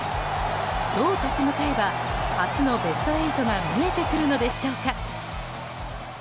どう立ち向かえば初のベスト８が見えてくるのでしょうか。